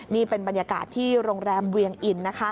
นี่เป็นบรรยากาศที่โรงแรมเวียงอิน